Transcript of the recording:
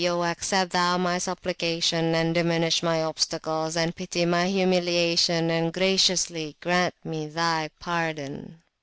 O accept Thou my Supplication, and diminish my Obstacles, and pity my Humiliation, and graciously grant me Thy Pardon!